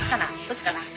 どっちかな？